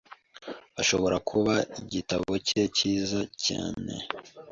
ashobora kuba igitabo cye cyiza cyane